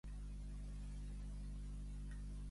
Troba el videojoc "Out of My Head".